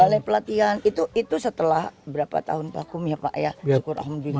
balai pelatihan itu setelah berapa tahun vakum ya pak ya syukur alhamdulillah